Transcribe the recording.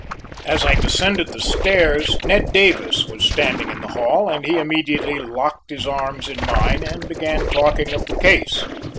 As I descended the stairs, Ned Davis was standing in the hall, and he immediately locked his arms in mine and began talking of the case.